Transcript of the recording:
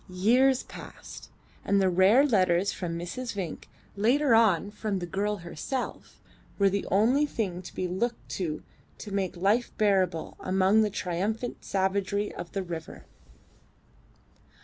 Years passed, and the rare letters from Mrs. Vinck, later on from the girl herself, were the only thing to be looked to to make life bearable amongst the triumphant savagery of the river.